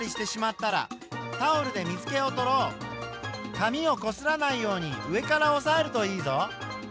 紙をこすらないように上からおさえるといいぞ。